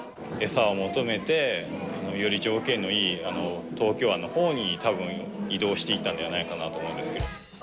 餌を求めて、より条件のいい東京湾のほうに、たぶん、移動していったんではないかなと思うんですけど。